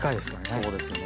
そうですよね。